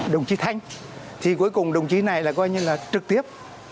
đồng chí thanh thì cuối cùng đồng chí này là trực tiếp